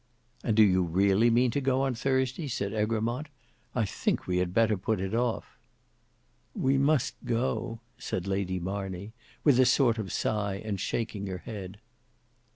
"And do you really mean to go on Thursday?" said Egremont: "I think we had better put it off." "We must go," said Lady Marney, with a sort of sigh, and shaking her head.